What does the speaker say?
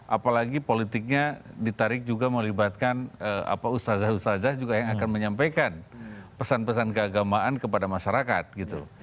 apalagi politiknya ditarik juga melibatkan ustazah ustazah juga yang akan menyampaikan pesan pesan keagamaan kepada masyarakat gitu